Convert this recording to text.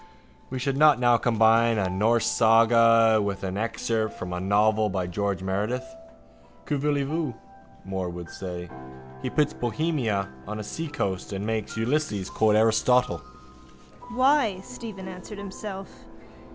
We should not now combine a Norse saga with an excerpt from a novel by George Meredith. Que voulez vous? Moore would say. He puts Bohemia on the seacoast and makes Ulysses quote Aristotle. —Why? Stephen answered himself.